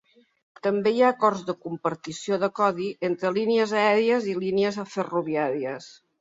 També hi ha acords de compartició de codi entre línies aèries i línies ferroviàries.